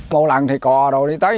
mua lắng thì có rồi đi tới